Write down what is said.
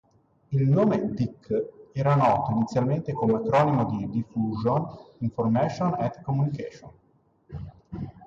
Il nome DiC era noto inizialmente come acronimo di Diffusion, Information et Communication.